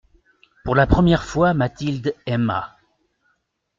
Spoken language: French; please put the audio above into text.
Pour la première fois Mathilde aima.